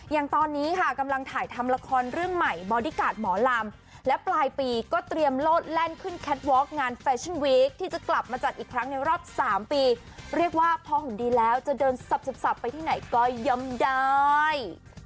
อย่างตอนนี้ค่ะกำลังถ่ายทำละครเรื่องใหม่บอดี้การ์ดหมอลำและปลายปีก็เตรียมโลดแล่นขึ้นแคทวอล์งานแฟชั่นวีคที่จะกลับมาจัดอีกครั้งในรอบ๓ปีเรียกว่าพอหุ่นดีแล้วจะเดินสับไปที่ไหนก็ย่อมได้